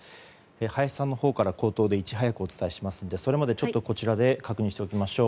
林さんのほうから口頭でいち早くお伝えしますのでそれまでこちらで確認しておきましょう。